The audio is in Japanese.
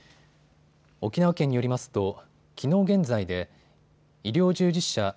沖縄県によりますときのう現在で医療従事者